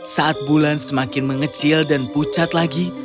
saat bulan semakin mengecil dan pucat lagi